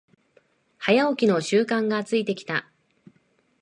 早起きの習慣がついてきた